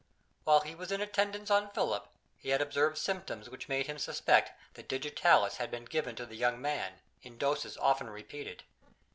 While he was in attendance on Philip, he had observed symptoms which made him suspect that Digitalis had been given to the young man, in doses often repeated.